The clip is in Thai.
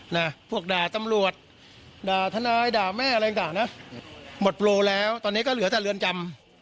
นะพวกด่าตำรวจด่าทนายด่าแม่อะไรต่างนะหมดโปรแล้วตอนนี้ก็เหลือแต่เรือนจำ